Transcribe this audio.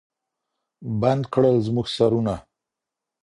بند کړل زموږ سرونه